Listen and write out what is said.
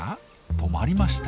止まりました。